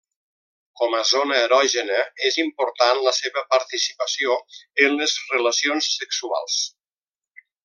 Com a zona erògena, és important la seva participació en les relacions sexuals.